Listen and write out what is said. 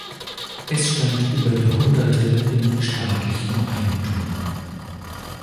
Es stand über Jahrhunderte in staatlichem Eigentum.